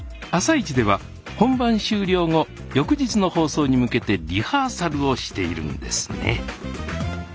「あさイチ」では本番終了後翌日の放送に向けてリハーサルをしているんですね